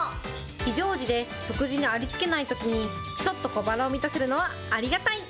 非常時で食事にありつけないときに、ちょっと小腹を満たせるのはありがたい。